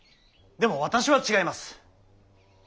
でも私は違います。